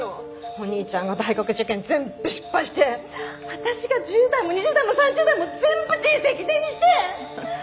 お兄ちゃんが大学受験全部失敗して私が１０代も２０代も３０代も全部人生犠牲にして！